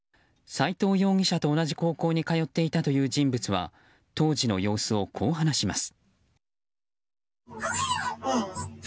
斉藤容疑者と同じ高校に通っていたという人物は当時の様子をこう話します。